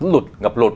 lụt ngập lụt